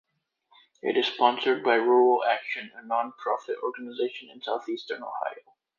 It is sponsored by Rural Action, a non-profit organization in southeastern Ohio.